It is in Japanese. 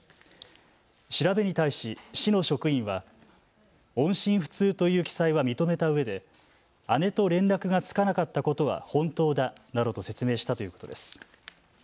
調べに対し市の職員は音信不通という記載は認めたうえで姉と連絡がつかなかったことは本当だなどと説明したということです。